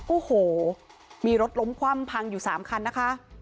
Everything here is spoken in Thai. โอ้โหมีรถล้มคว่ำพังอยู่๓คันนะคะ